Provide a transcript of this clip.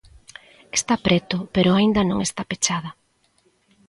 Está preto, pero aínda non está pechada.